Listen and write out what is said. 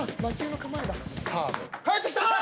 返ってきた！